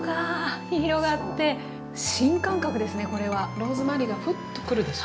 ローズマリーがフッとくるでしょ。